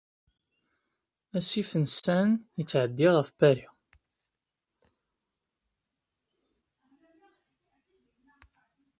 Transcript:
Asif n Seine yettɛeddi ɣef Paris.